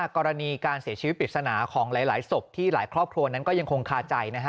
กรณีการเสียชีวิตปริศนาของหลายศพที่หลายครอบครัวนั้นก็ยังคงคาใจ